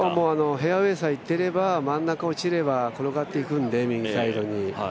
フェアウエーさえいっていれば、真ん中落ちれば転がっていくんで、右サイドに。